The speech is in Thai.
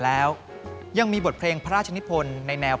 คืนวันโบกบ่อยเพียงในการ